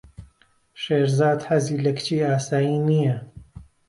شێرزاد حەزی لە کچی ئاسایی نییە.